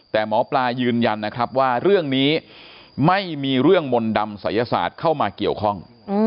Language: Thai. แต่หมอปลายืนยันนะครับว่าเรื่องนี้ไม่มีเรื่องมนต์ดำศัยศาสตร์เข้ามาเกี่ยวข้อง